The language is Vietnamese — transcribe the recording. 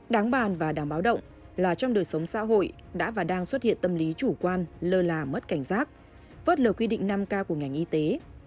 đáng bàn và đáng báo động là trong đời sống xã hội đã và đang xuất hiện tâm lý chủ quan lơ là mất cảnh giác phớt lờ quy định năm k của ngành y tế